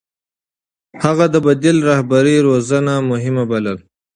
هغه د بديل رهبرۍ روزنه مهمه بلله.